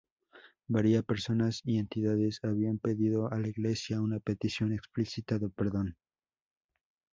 Varias personas y entidades habían pedido a la Iglesia una petición explícita de perdón.